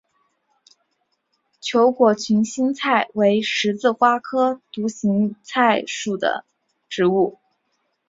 球果群心菜为十字花科独行菜属的植物。